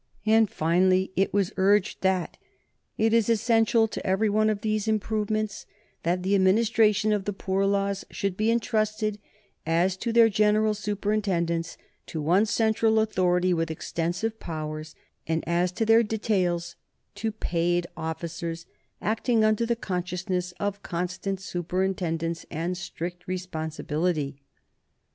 And finally it was urged that "it is essential to every one of these improvements that the administration of the poor laws should be intrusted, as to their general superintendence, to one central authority with extensive powers; and, as to their details, to paid officers, acting under the consciousness of constant superintendence and strict responsibility."